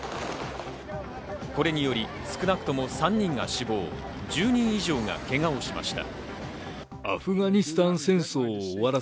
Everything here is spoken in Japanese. これにより少なくとも３人が死亡、１０人以上がけがをしました。